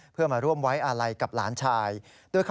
เพื่อมาร่วมไว้อาลัยกับหลานชาย